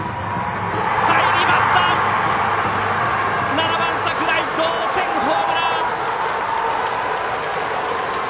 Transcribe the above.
７番、櫻井、同点ホームラン！